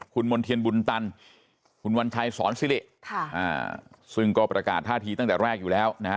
คุณมณ์เทียนบุญตันคุณวัญชัยสอนซิริซึ่งก็ประกาศท่าทีตั้งแต่แรกอยู่แล้วนะฮะ